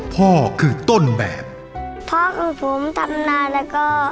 พ่อกับผมทำนานแล้วก็